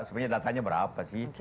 sebenarnya datanya berapa sih